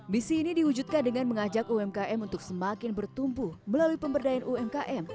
misi ini diwujudkan dengan mengajak umkm untuk semakin bertumbuh melalui pemberdayaan umkm